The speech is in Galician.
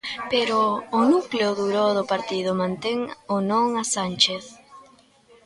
Pero o núcleo duro do partido mantén o non a Sánchez...